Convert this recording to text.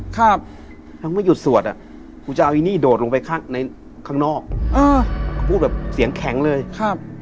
ครับถ้าไม่หยุดสวดอะครรภ์